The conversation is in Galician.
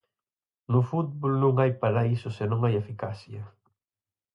No fútbol non hai paraíso se non hai eficacia.